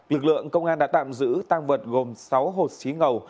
lực lượng công an đã tạm giữ tăng vật gồm sáu hột xí ngầu